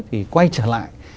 thì quay trở lại